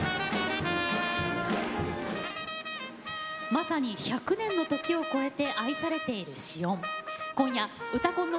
まさに１００年の時を超えて愛されているシオン。